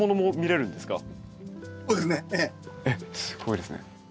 えっすごいですね。